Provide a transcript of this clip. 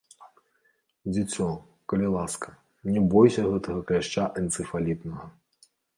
Дзіцё, калі ласка, ня бойся гэтага кляшча энцыфалітнага.